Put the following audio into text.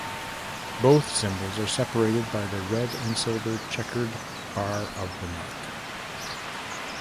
Both symbols are separated by the red-and-silver chequered bar of the Mark.